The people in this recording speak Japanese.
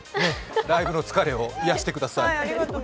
ライブの疲れを癒やしてください。